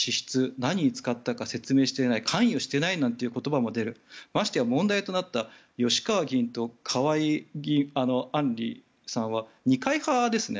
何に使ったか説明していない関与してないなんて言葉も出るましてや問題となった吉川議員と河井案里さんは二階派ですね。